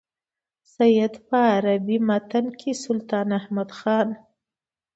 سید په عربي متن کې سلطان احمد خان.